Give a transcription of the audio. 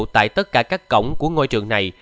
tại tất cả các cổng của ngôi trường này